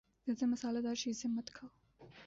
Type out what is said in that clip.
زیادہ مصالہ دار چیزیں مت کھاؤ